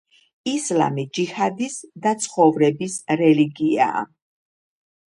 ისლამი ჯიჰადის და ცხოვრების რელიგიაა.